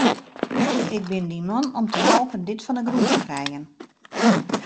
Ik bin dyn man om te helpen dit fan 'e grûn te krijen.